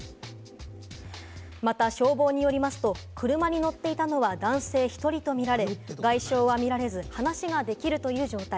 また消防によりますと、車に乗っていたのは男性１人とみられ、外傷はみられず、話ができる状態。